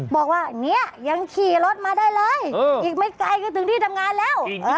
บอกว่าเนี่ยยังขี่รถมาได้เลยอีกไม่ไกลก็ถึงที่ทำงานแล้ว